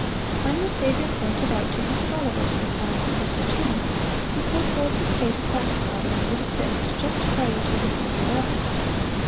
When the Saviour pointed out to His followers the signs of His return, He foretold the state of backsliding that would exist just prior to His second advent.